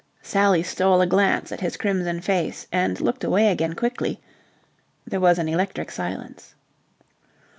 Sally stole a glance at his crimson face and looked away again quickly. There was an electric silence.